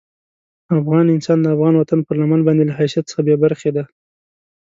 افغان انسان د افغان وطن پر لمن باندې له حیثیت څخه بې برخې دي.